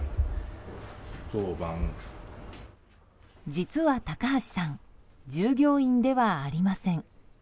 実は高橋さん従業員ではありません。